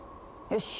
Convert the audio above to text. よし。